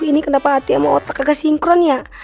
ini kenapa hati sama otak agak sinkron ya